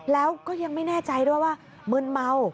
แล้วก็ยังไม่แน่ใจด้วยว่ามึนเมา